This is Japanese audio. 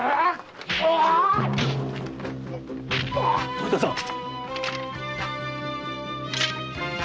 徳田さん！